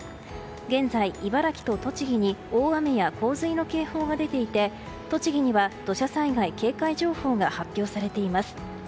現在、茨城と栃木に大雨や洪水の警報が出ていて栃木には土砂災害警戒情報が発表されています。